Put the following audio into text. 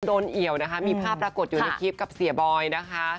เอี่ยวนะคะมีภาพปรากฏอยู่ในคลิปกับเสียบอยนะคะ